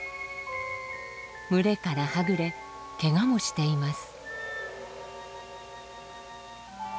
群れからはぐれけがもしています。